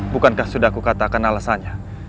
bukankah sudah aku katakan alasannya